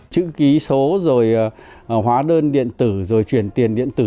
chữ ký số rồi hóa đơn điện tử rồi chuyển tiền điện tử